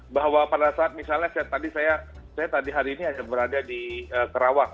bahwa pada saat misalnya saya tadi hari ini hanya berada di kerawang